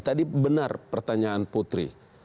tadi benar pertanyaan putri